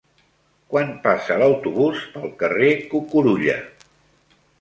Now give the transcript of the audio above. Quan passa l'autobús pel carrer Cucurulla?